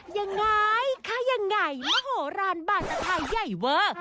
ยังไงค่ายังไงมโหลานบานสะพายใหญ่เวอร์